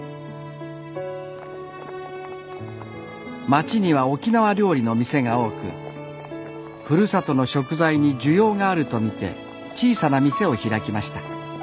街には沖縄料理の店が多くふるさとの食材に需要があるとみて小さな店を開きました。